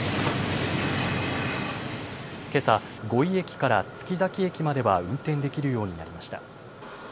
けさ五井駅から月崎駅までは運転できるようになりました。